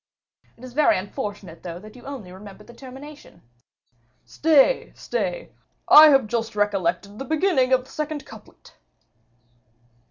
"It is very unfortunate, though, that you only remember the termination." "Stay, stay, I have just recollected the beginning of the second couplet."